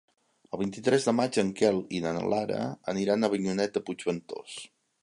El vint-i-tres de maig en Quel i na Lara aniran a Avinyonet de Puigventós.